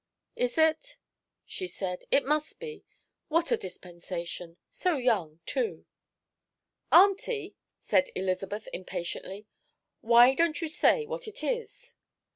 "Is it?" she said. "It must be. What a dispensation! So young, too." "Auntie," said Elizabeth, impatiently, "why don't you say what it is?"